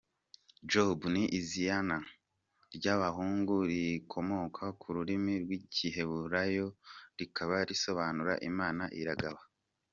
Job ni iziana ry’abahungu rikomoka ku rurimi rw’Igiheburayio rikaba risobanura “Imana iragaba”.